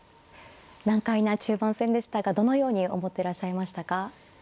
難解な中盤戦でしたがどのように思っていらっしゃいましたか。